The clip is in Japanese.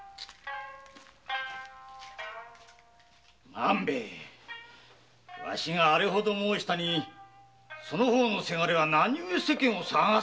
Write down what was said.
万兵衛わしがあれほど申したにその方の倅は何ゆえ世間を騒がせるのだ。